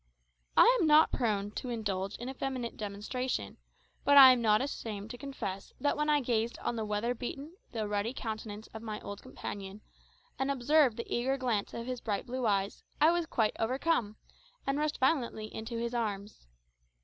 I am not prone to indulge in effeminate demonstration, but I am not ashamed to confess that when I gazed on the weather beaten though ruddy countenance of my old companion, and observed the eager glance of his bright blue eyes, I was quite overcome, and rushed violently into his arms.